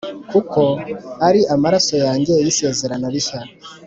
kuko aya ari amaraso yanjye y’isezerano rishya